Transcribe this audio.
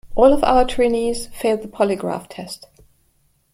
All of our trainees failed the polygraph test.